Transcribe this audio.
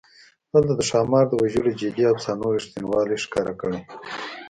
دلته د ښامار د وژلو جعلي افسانو رښتینوالی ښکاره کړی.